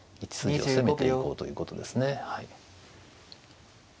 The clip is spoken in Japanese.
１筋を攻めていこうということですねはい。